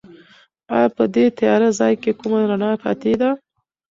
ایا په دې تیاره ځای کې کومه رڼا پاتې ده؟